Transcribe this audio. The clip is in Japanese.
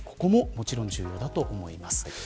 ここももちろん重要だと思います。